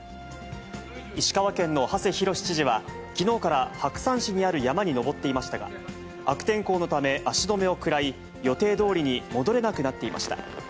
石川県の馳浩知事は、きのうから白山市にある山に登っていましたが、悪天候のため、足止めを食らい、予定どおりに戻れなくなっていました。